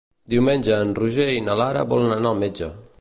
Diumenge en Roger i na Lara volen anar al metge.